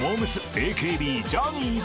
ＡＫＢジャニーズ］